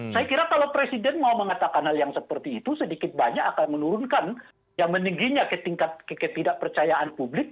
saya kira kalau presiden mau mengatakan hal yang seperti itu sedikit banyak akan menurunkan yang meningginya ke tingkat ketidakpercayaan publik